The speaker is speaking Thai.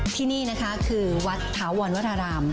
ที่นี่นะคะคือวัดถาวรวราราม